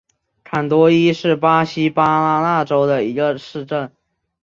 坎多伊是巴西巴拉那州的一个市镇。